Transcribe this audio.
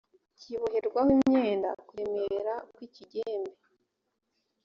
kiboherwaho imyenda kuremera kw ikigembe